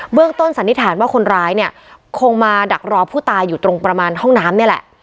เรื่องต้นสันนิษฐานว่าคนร้ายเนี่ยคงมาดักรอผู้ตายอยู่ตรงประมาณห้องน้ำนี่แหละ